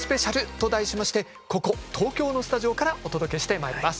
ここ東京のスタジオからお届けしてまいります。